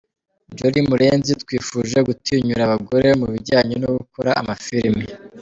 Jolie Murenzi: Twifuje gutinyura abagore mu bijyanye no gukora amafilimi.